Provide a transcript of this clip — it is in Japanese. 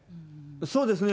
そうですね。